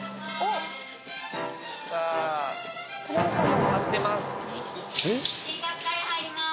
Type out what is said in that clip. さあ買ってます